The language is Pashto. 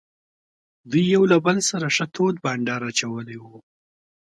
دوی یو له بل سره ښه تود بانډار اچولی وو.